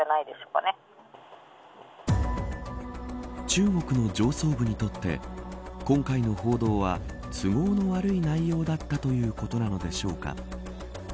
中国の上層部にとって今回の報道は都合の悪い内容だったということなのでしょうか。